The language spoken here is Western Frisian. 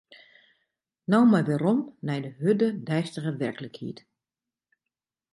No mar wer werom nei de hurde deistige werklikheid.